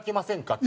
って。